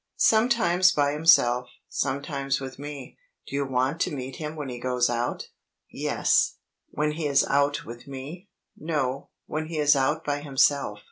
"Sometimes by himself. Sometimes with me. Do you want to meet him when he goes out?" "Yes." "When he is out with me?" "No. When he is out by himself."